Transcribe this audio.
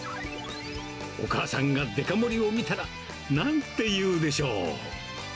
お母さんがデカ盛りを見たら、なんて言うでしょう。